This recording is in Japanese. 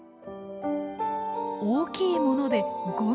大きいもので５ｍｍ。